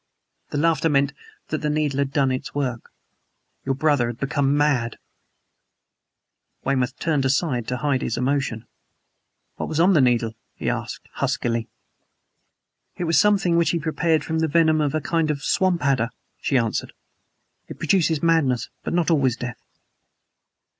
The laughter meant that the needle had done its work. Your brother had become mad!" Weymouth turned aside to hide his emotion. "What was on the needle?" he asked huskily. "It was something which he prepared from the venom of a kind of swamp adder," she answered. "It produces madness, but not always death."